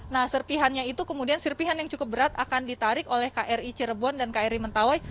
nah serpihannya itu kemudian serpihan yang cukup berat akan ditarik oleh kri cirebon dan kri mentawai